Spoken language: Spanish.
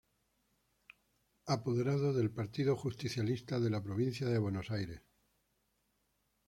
Apoderado del Partido Justicialista de la Provincia de Buenos Aires.